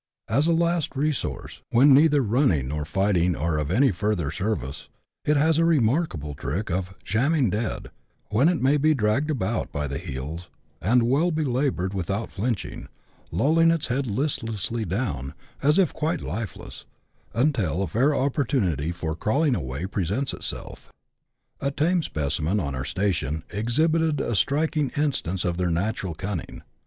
As a last resource, when neither running nor fighting are of any further service, it has a remarkable trick of " shamming dead," when it may be dragged about by the heels and well belaboured without flinching, lolling its head listlessly down, as if quite life less, until a fair opportunity for crawling away presents itself. A tame specimen, on our station, exhibited a striking instance of their natural cunning.